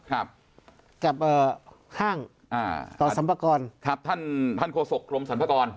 ครับกับเอ่อห้างอ่าต่อสัมภากรครับท่านท่านโฆษกรมสรรพากร